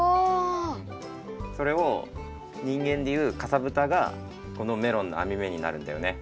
それをにんげんでいうかさぶたがこのメロンのあみ目になるんだよね。